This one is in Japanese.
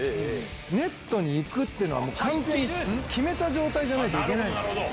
ネットに行くっていうのは、もう完全に決めた状態じゃないと行けないんです。